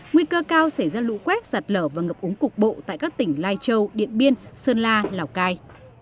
nguy cơ cao xảy ra lũ quét sạt lở và ngập úng cục bộ tại các tỉnh lai châu điện biên sơn la lào cai